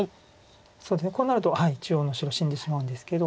こうなると中央の白死んでしまうんですけど。